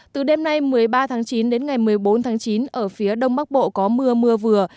từ đêm nay một mươi ba tháng chín đến ngày một mươi bốn tháng chín ở phía đông bắc bộ có mưa mưa vừa